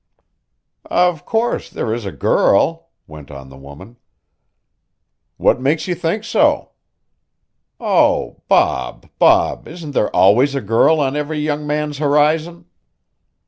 "Of course there is a girl," went on the woman. "What makes you think so?" "Oh, Bob, Bob! Isn't there always a girl on every young man's horizon?"